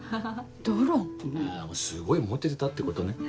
すごいモテてたってことね。